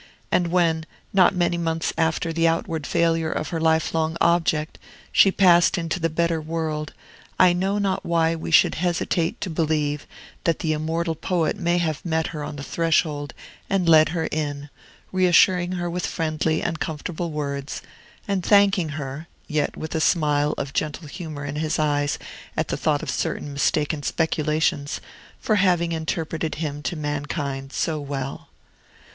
And when, not many months after the outward failure of her lifelong object, she passed into the better world, I know not why we should hesitate to believe that the immortal poet may have met her on the threshold and led her in, reassuring her with friendly and comfortable words, and thanking her (yet with a smile of gentle humor in his eyes at the thought of certain mistaken speculations) for having interpreted him to mankind so well.